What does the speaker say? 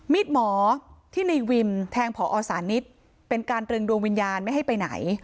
มีดหมอที่ในวิมแทงพอสานิทเป็นการตรึงดวงวิญญาณไม่ให้ไปไหน